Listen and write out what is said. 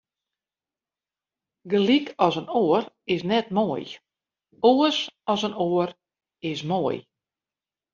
Gelyk as in oar is net moai, oars as in oar is moai.